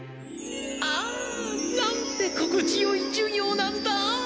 ああなんてここちよい授業なんだ。